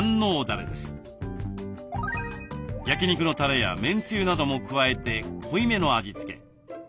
焼き肉のたれやめんつゆなども加えて濃いめの味付け。